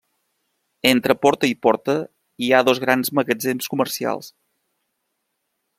Entre porta i porta hi ha dos grans magatzems comercials.